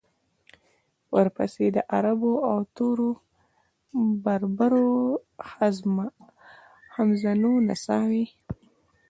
ورپسې د عربو او تورو بربرو ښځمنو نڅاوې.